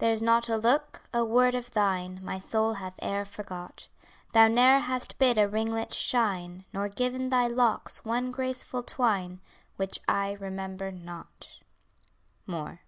There's not a look, a word of thine My soul hath e'er forgot; Thou ne'er hast bid a ringlet shine, Nor given thy locks one graceful twine, Which I remember not. MOORE.